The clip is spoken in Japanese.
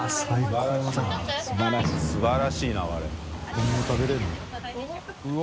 こんな食べれるか？